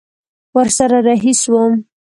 ورسره رهي سوم.